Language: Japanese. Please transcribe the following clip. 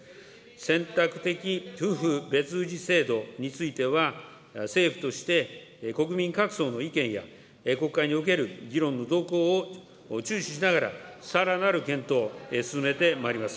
選択的夫婦別氏制度については、政府として国民各層の意見や国会における議論の動向を注視しながら、さらなる検討を進めてまいります。